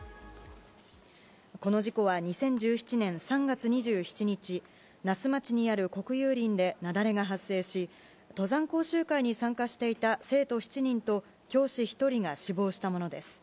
この事故は２０１７年３月２７日、那須町にある国有林で雪崩が発生し、登山講習会に参加していた生徒７人と教師１人が死亡したものです。